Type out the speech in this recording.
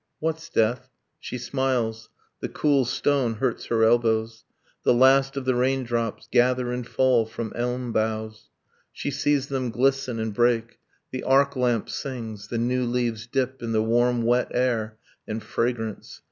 What's death? She smiles. The cool stone hurts her elbows. The last of the rain drops gather and fall from elm boughs, She sees them glisten and break. The arc lamp sings, The new leaves dip in the warm wet air and fragrance.